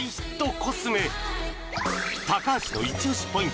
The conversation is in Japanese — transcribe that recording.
コスメ高橋のイチ押しポイント